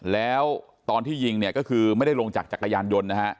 แล้วตอนที่ยิงเนี่ยก็คือไม่ได้ลงจากจักรยานยนต์นะฮะ